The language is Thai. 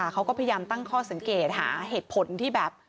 เขาก็พยายามตั้งข้อสังเกตหาเหตุผลที่แบบ